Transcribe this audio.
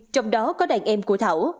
trong đó có đàn em của thảo